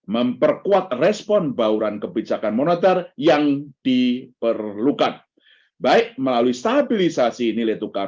memperkuat respon bauran kebijakan moneter yang diperlukan baik melalui stabilisasi nilai tukar